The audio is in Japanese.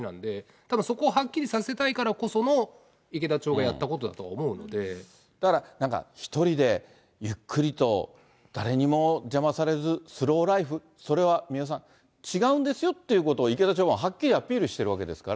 ただ、そこをはっきりさせたいからこその、池田町がやったことだと思うだから、なんか一人でゆっくりと、誰にも邪魔されず、スローライフ、それは三輪さん、違うんですよっていうことを、池田町ははっきりアピールしてるわけですから。